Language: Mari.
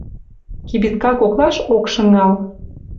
Кибитка коклаш ок шыҥал.